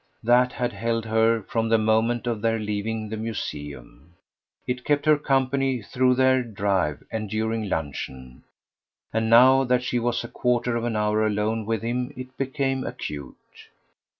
That had held her from the moment of their leaving the museum; it kept her company through their drive and during luncheon; and now that she was a quarter of an hour alone with him it became acute.